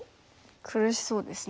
苦しそうですね。